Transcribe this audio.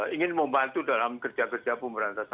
ingin membantu dalam kerja kerja pemberantasan